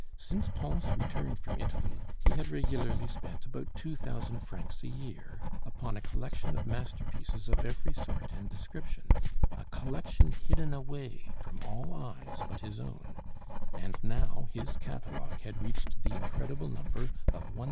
Since Pons returned from Italy, he had regularly spent about two thousand francs a year upon a collection of masterpieces of every sort and description, a collection hidden away from all eyes but his own; and now his catalogue had reached the incredible number of 1907.